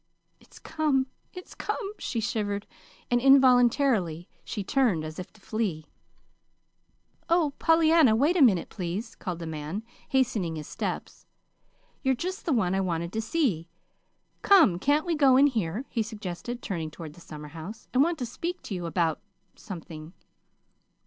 "It's come it's come!" she shivered; and involuntarily she turned as if to flee. [Illustration: "Involuntarily she turned as if to flee"] "Oh, Pollyanna, wait a minute, please," called the man hastening his steps. "You're just the one I wanted to see. Come, can't we go in here?" he suggested, turning toward the summerhouse. "I want to speak to you about something."